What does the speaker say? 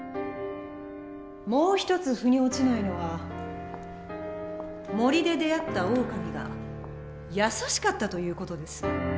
もう一つ腑に落ちないのは森で出会ったオオカミが優しかったという事です。